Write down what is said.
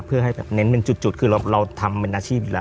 เพื่อให้แบบเน้นเป็นจุดคือเราทำเป็นอาชีพอยู่แล้ว